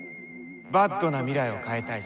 ＢＡＤな未来を変えたい。